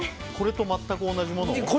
これと全く同じものを？